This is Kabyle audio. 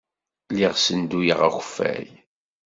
Lliɣ ssenduyeɣ akeffay.